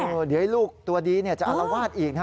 โอ้เดี๋ยวลูกตัวดีจะเอาระวาดอีก